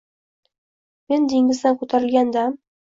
Men dengizdan ko’tarilgan dam